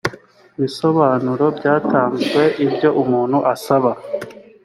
bisobanuro byatanzwe ibyo umuntu asaba